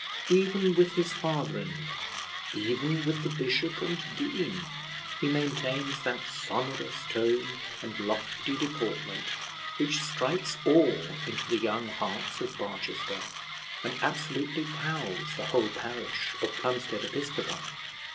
Even with his father in law, even with the bishop and dean, he maintains that sonorous tone and lofty deportment which strikes awe into the young hearts of Barchester, and absolutely cows the whole parish of Plumstead Episcopi.